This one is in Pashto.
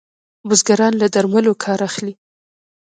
بزګران له درملو کار اخلي.